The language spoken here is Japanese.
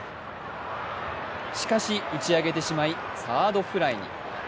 しかし、打ち上げてしまいサードフライに。